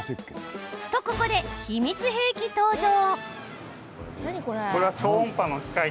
と、ここで秘密兵器登場。